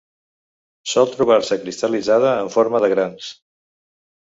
Sol trobar-se cristal·litzada en forma de grans.